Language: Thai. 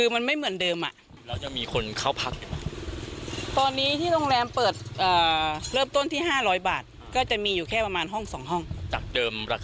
เป็นคนไทยหรือต่างชาติ